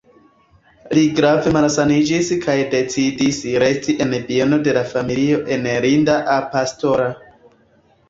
Li grave malsaniĝis kaj decidis resti en bieno de la familio en Linda-a-Pastora.